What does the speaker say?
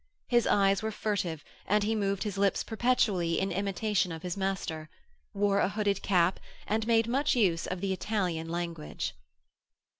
His eyes were furtive and he moved his lips perpetually in imitation of his master; wore a hooded cap, and made much use of the Italian language.